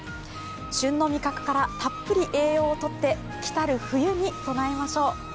旬の味覚からたっぷり栄養をとって来たる冬に備えましょう。